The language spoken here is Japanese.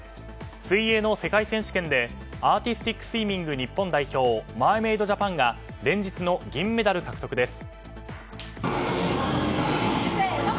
水泳の世界選手権でアーティスティックスイミング日本代表マーメイドジャパンが連日の銀メダル獲得です。